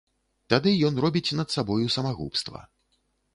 Тады ён робіць над сабою самагубства.